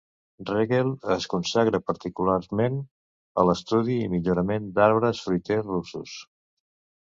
Regel es consagra particularment a l'estudi i millorament d'arbres fruiters russos.